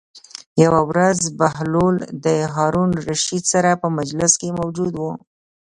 یوه ورځ بهلول د هارون الرشید سره په مجلس کې موجود و.